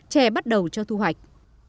chè bắt đầu cho thu hoạch